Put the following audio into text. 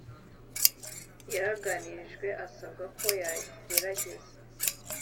yaraganirijwe asabwa ko yagerageza